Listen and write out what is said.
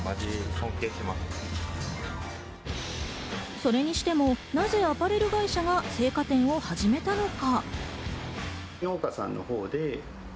それにしてもなぜアパレル会社が青果店を始めたのか。